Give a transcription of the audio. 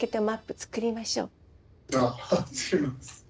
作ります。